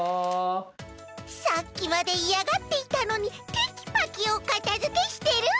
さっきまでいやがっていたのにテキパキおかたづけしてる！